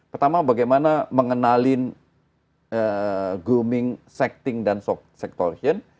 pertama bagaimana mengenalin grooming sexting dan sektorion